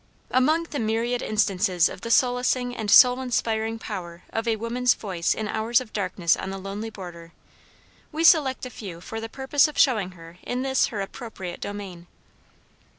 Among the myriad instances of the solacing and soul inspiring power of a woman's voice in hours of darkness on the lonely border, we select a few for the purpose of showing her in this her appropriate domain.